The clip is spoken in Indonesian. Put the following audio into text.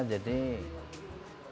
jadi enak banget